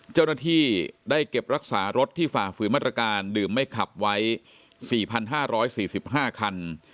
เจ้าหน้าที่ได้เก็บรักษารถที่ฝ่าฝืนมาตรการดื่มไม่ขับไว้๔๕๔๕คัน